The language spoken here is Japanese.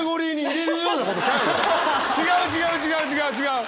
違う違う！